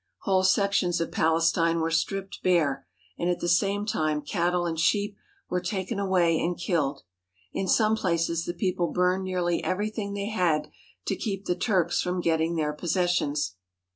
Whole sections of Palestine were stripped bare, and at the same time cat tle and sheep were taken away and killed. In some places the people burned nearly everything they had to keep the Turks from getting their possessions.